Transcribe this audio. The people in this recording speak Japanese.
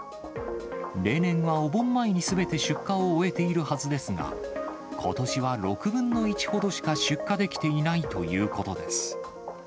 例年はお盆前にすべて出荷を終えているはずですが、ことしは６分の１ほどしか出荷できていないということです。